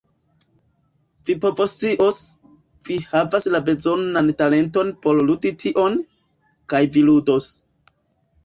Vi povoscios, vi havas la bezonan talenton por ludi tion, kaj vi ludos.